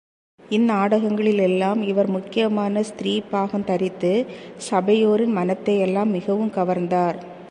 இந்நாடகங்களிலெல்லாம் இவர் முக்கியமான ஸ்திரீ பாகம் தரித்து, சபையோரின் மனத்தையெல்லாம் மிகவும் கவர்ந்தனர்.